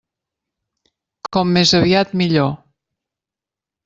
Com més aviat millor.